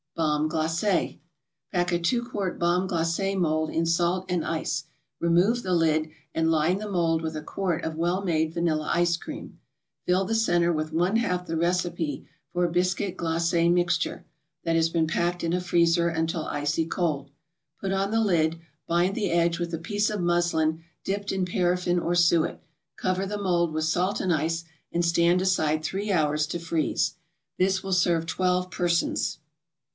BOMB GLACÉ Pack a two quart bomb glacé mold in salt and ice. Remove the lid, and line the mold with a quart of well made vanilla ice cream. Fill the centre with one half the recipe for Biscuit Glacé mixture, that has been packed in a freezer until icy cold. Put on the lid, bind the edge with a piece of muslin dipped in paraffin or suet, cover the mold with salt and ice, and stand aside three hours to freeze. This will serve twelve persons.